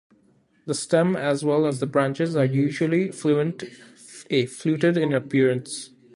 The stem as well as the branches are usually fluted in appearance.